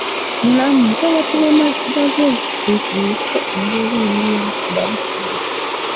Mulamu nsaba tube bagezi tuziyize embeera embi nga bukyali.